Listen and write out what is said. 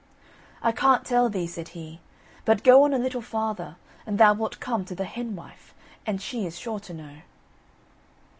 "I can't tell thee," said he, "but go on a little farther, and thou wilt come to the hen wife, and she is sure to know."